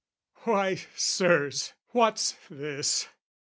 Why, Sirs, what's this?